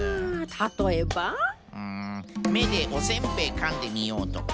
うん「めでおせんべいかんでみよう」とか。